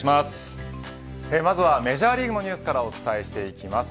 まずはメジャーリーグのニュースからお伝えしていきます。